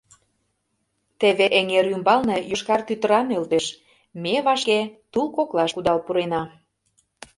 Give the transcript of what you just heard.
Теве эҥер ӱмбалне йошкар тӱтыра нӧлтеш, ме вашке тул коклаш кудал пурена.